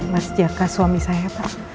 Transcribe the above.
mas jaka suami saya